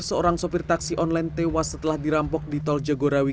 seorang sopir taksi online tewas setelah dirampok di tol jagorawi